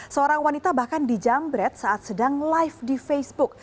seorang wanita bahkan dijamret saat sedang live di facebook